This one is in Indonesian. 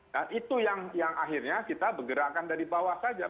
nah itu yang akhirnya kita bergerakkan dari bawah saja